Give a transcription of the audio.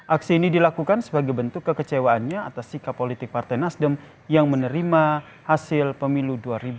aksi ini dilakukan sebagai bentuk kekecewaannya atas sikap politik partai nasdem yang menerima hasil pemilu dua ribu dua puluh